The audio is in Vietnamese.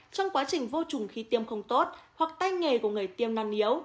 trong quá trình vô trùng khi tiêm không tốt hoặc tay nghề của người tiêm năng yếu